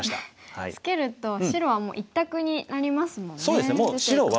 ツケると白はもう一択になりますもんね出ていく方向が。